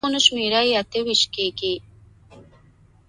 جرم تل جرم وي او باید وڅیړل شي.